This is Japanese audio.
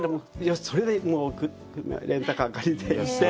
それでレンタカー借りて行って。